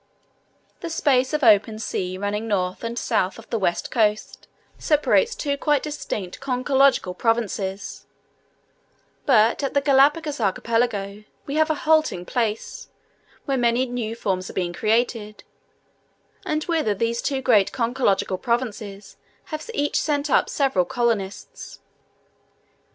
The space of open sea running north and south off the west coast, separates two quite distinct conchological provinces; but at the Galapagos Archipelago we have a halting place, where many new forms have been created, and whither these two great conchological provinces have each sent up several colonists.